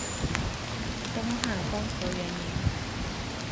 东汉光和元年。